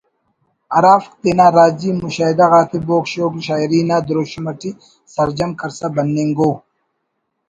ہرافک تینا راجی مشاہدہ غاتے بوگ شوگ شاعری نا دروشم اٹی سرجم کرسا بننگ ءُ